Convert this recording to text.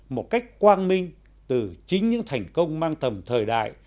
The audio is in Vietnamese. một cách quang minh từ chính những thành công mang tầm thời đại